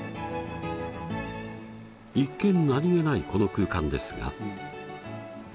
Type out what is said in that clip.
一見何気ないこの空間ですが。